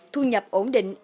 thu nhập ổn định